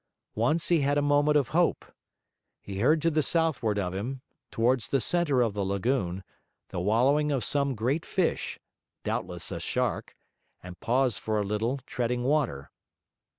Once he had a moment of hope. He heard to the southward of him, towards the centre of the lagoon, the wallowing of some great fish, doubtless a shark, and paused for a little, treading water.